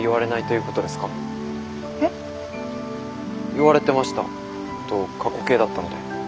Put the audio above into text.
「言われてました」と過去形だったので。